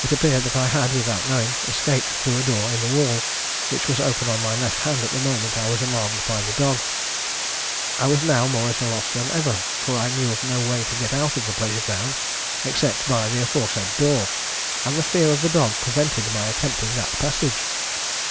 It appeared that I had, without knowing, escaped through a door in the wall, which was open on my left hand at the moment I was alarmed by the dog. I was now more at a loss than ever, for I knew of no way to get out of the pleasure ground except by the aforesaid door, and fear of the dog prevented my attempting that passage.